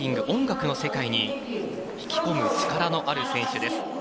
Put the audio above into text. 音楽の世界に引き込む力のある選手です。